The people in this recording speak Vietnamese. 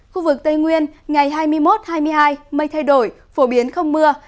khu vực tây nguyên ngày hai mươi một hai mươi hai mây thay đổi phổ biến không mưa